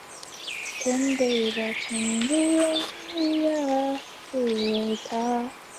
行程群组被使用于控制信号的分配。